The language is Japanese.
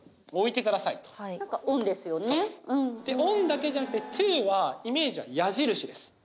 ｏｎだけじゃなくてｔｏはイメージは矢印です